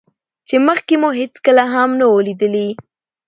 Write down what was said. چې مخکې مو هېڅکله هم نه وو ليدلى.